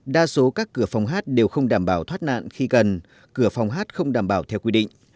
đa số các cửa phòng hát đều không đảm bảo thoát nạn khi gần cửa phòng hát không đảm bảo theo quy định